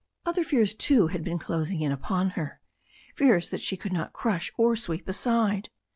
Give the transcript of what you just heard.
Other fears, too, had been closing in upon her, fears that she could not crush or sweep aside.